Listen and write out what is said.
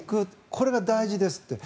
これが大事ですと。